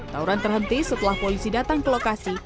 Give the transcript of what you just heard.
tauran terhenti setelah polisi datang ke lokasi